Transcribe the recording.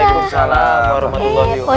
waalaikumsalam warahmatullahi wabarakatuh